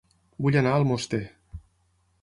Vull anar a Almoster